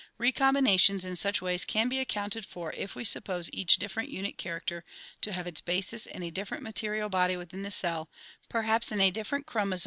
" Recombinations in such ways can be accounted for if we suppose each different unit character to have its basis in a different material body within the cell, perhaps in a different chromosome or part chromosome."